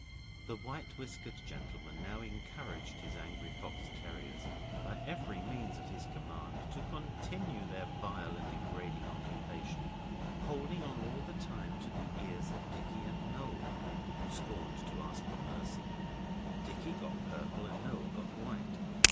The white whiskered gentleman now encouraged his angry fox terriers, by every means at his command, to continue their vile and degrading occupation; holding on all the time to the ears of Dicky and Noel, who scorned to ask for mercy. Dicky got purple and Noel got white.